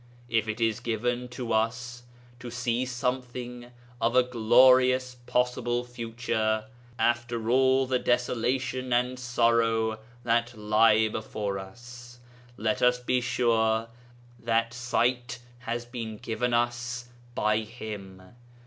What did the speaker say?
If it is given to us to see something of a glorious possible future, after all the desolation and sorrow that lie before us, let us be sure that sight has been given us by Him.